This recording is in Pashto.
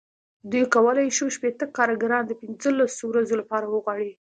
دوی کولای شول شپېته کارګران د پنځلسو ورځو لپاره وغواړي.